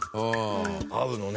合うのね。